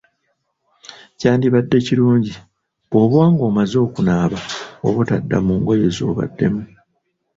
Kyandibadde kirungi bw'oba ng'omaze okunaaba obutadda mu ngoye z'obaddemu.